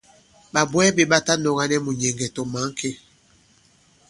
Ɓàbwɛɛ ɓē ɓa ta nɔ̄ga nyɛ mùnyɛ̀ŋgɛ̀ tɔ̀ mǎnkêk.